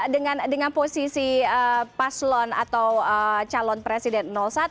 dengan posisi paslon atau calon presiden satu